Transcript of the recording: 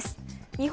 日本